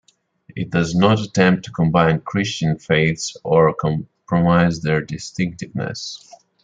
It does not attempt to combine Christian faiths or compromise their distinctiveness.